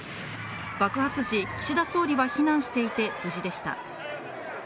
爆発時、岸田総理は避難していて、無事でした。